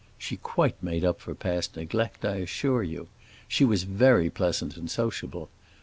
She quite made up for past neglect, I assure you; she was very pleasant and sociable.